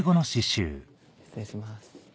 失礼します。